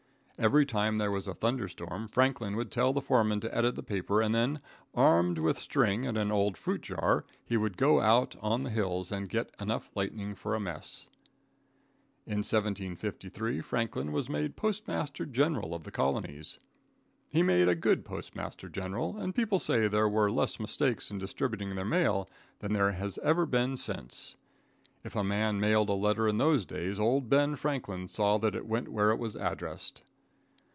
Every time there was a thunder storm, Franklin would tell the foreman to edit the paper, and, armed with a string and an old fruit jar, he would go out on the hills and get enough lightning for a mess. [Illustration: "HOW'S TRADE?"] In 1753 Franklin was made postmaster general of the colonies. He made a good postmaster general, and people say there were less mistakes in distributing their mail than there has ever been since. If a man mailed a letter in those days, old Ben Franklin saw that it went where it was addressed.